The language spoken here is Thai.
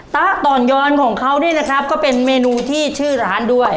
ตะต่อนยอนของเขานี่นะครับก็เป็นเมนูที่ชื่อร้านด้วย